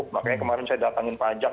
makanya kemarin saya datangin pajak